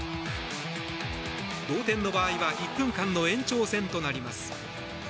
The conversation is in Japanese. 同点の場合は１分間の延長戦となります。